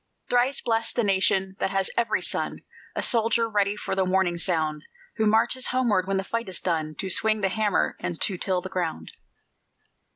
Thrice blest the nation that has every son A soldier, ready for the warning sound; Who marches homeward when the fight is done, To swing the hammer and to till the ground.